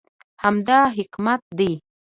همدا حکمت دی.